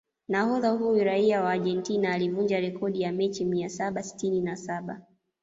Nahodha huyo raia wa Argentina alivunja rekodi ya mechi mia saba sitini na saba